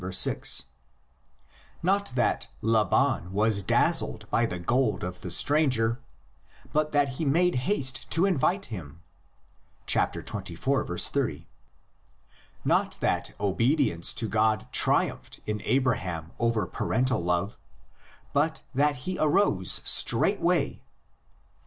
6) ; not that Laban was dazzled by the gold of the stranger, but that he made haste to invite him (xxiv. 30) ; not that obedience to God triumphed in Abraham over parental love, but that he arose straightway (xxii.